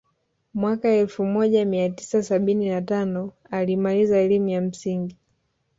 Mwaka elfu moja mia tisa sabini na tano alimaliza elimu ya msingi